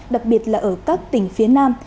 đặc biệt là ở các tỉnh phía nam